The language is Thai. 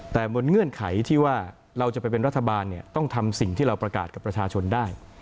แต่บนเงื่อนไขที่ว่าเราจะไปเป็นรัฐบาลต้องทำสิ่งที่เราประกาศกับประชาชนได้